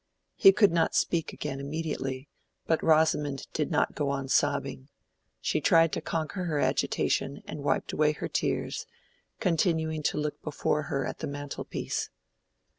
He could not speak again immediately; but Rosamond did not go on sobbing: she tried to conquer her agitation and wiped away her tears, continuing to look before her at the mantel piece.